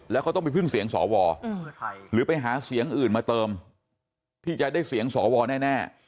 แล้วเขาต้องไปพึ่งเสียงสวหรือไปหาเสียงอื่นมาเติมที่จะได้เสียงสวแน่